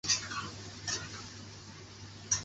但当时并没发现死亡的鸟类。